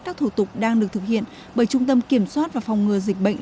các thủ tục đang được thực hiện bởi trung tâm kiểm soát và phòng ngừa dịch bệnh